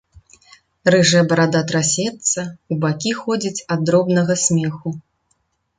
Рыжая барада трасецца, у бакі ходзіць ад дробнага смеху.